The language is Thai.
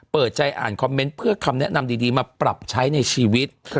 เปิดใจอ่านคอมเมนต์เพื่อคำแนะนำดีมาปรับใช้ในชีวิต